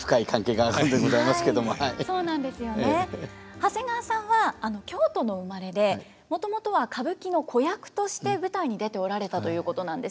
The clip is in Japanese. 長谷川さんは京都のお生まれでもともとは歌舞伎の子役として舞台に出ておられたということなんです。